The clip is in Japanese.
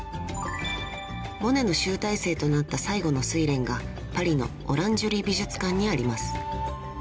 ［モネの集大成となった最後の『睡蓮』がパリのオランジュリー美術館にあります］